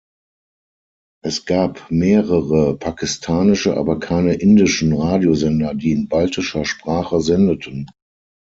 Es gab mehrere pakistanische aber keine indischen Radiosender, die in baltischer Sprache sendeten.